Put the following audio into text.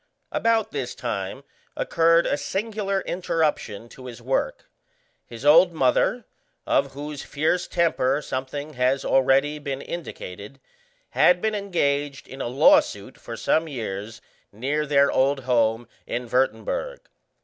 About this time occurred a singular interruption to his work. His old mother, of whose fierce temper something has already been indicated, had been engaged in a law suit for some years near their old home in Würtemberg.